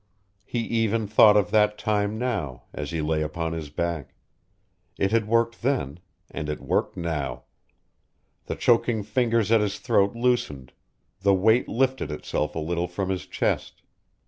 He even thought of that time now, as he lay upon his back. It had worked then, and it worked now. The choking fingers at his throat loosened; the weight lifted itself a little from his chest.